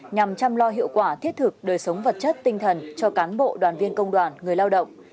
nhằm chăm lo hiệu quả thiết thực đời sống vật chất tinh thần cho cán bộ đoàn viên công đoàn người lao động